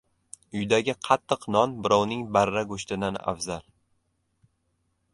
• Uydagi qattiq non birovning barra go‘shtidan afzal.